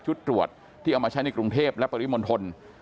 ตรวจที่เอามาใช้ในกรุงเทพและปริมณฑล